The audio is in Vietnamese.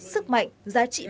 sức mạnh giá trị văn hóa